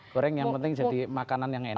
goreng yang penting jadi makanan yang enak